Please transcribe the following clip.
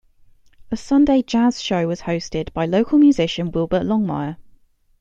A Sunday jazz show was hosted by local musician Wilbert Longmire.